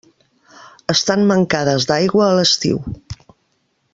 Estan mancades d'aigua a l'estiu.